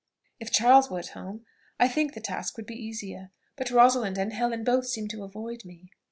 "If Charles were at home, I think the task would be easier; but Rosalind and Helen both seem to avoid me.